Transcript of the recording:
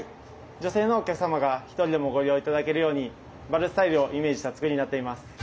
女性のお客様が１人でもご利用頂けるようにバルスタイルをイメージした作りになっています。